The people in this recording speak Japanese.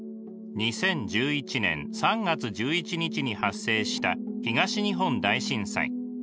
２０１１年３月１１日に発生した東日本大震災。